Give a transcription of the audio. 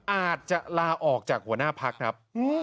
อาจจะลาออกจากหัวหน้าพักครับ